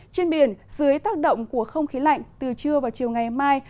trên biển dưới tác động của không khí lạnh từ trưa vào chiều ngày mai